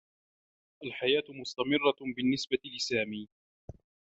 الحياة مستمرّة بالنّسبة لسامي.